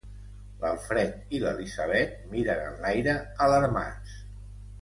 L'Alfred i l'Elisabet miren enlaire, alarmats.